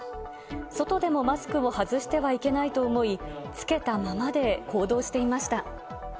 外でもマスクを外してはいけないと思い、着けたままで行動していました。